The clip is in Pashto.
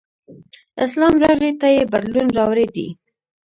اسلام راغی ته یې بدلون راوړی دی.